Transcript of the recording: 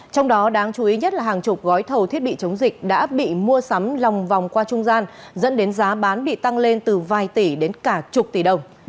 trong đó đáng chú ý nhất là hàng chục gói thầu thiết bị chống dịch đã bị mua sắm lòng vòng qua trung gian dẫn đến giá bán bị tăng lên từ vài tỷ đến cả chục tỷ đồng